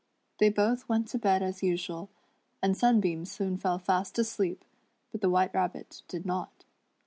They both went to bed as usual, and Sunbeam soon fell fast asleep, but the White Rabbit did not.